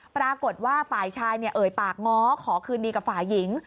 ปรากฏว่าฝ่ายชายเอ่ยปากง้อขอคืนดีกับฝ่ายหญิง